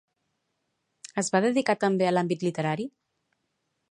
Es va dedicar també a l'àmbit literari?